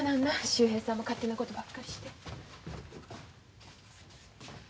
秀平さんも勝手なことばっかりして。